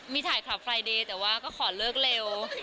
มีถ่ายคลับไฟล์เดย์แต่ว่าก็ขอเลิกเร็ว